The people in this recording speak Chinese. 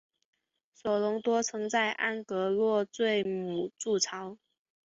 索隆多曾在安戈洛坠姆筑巢。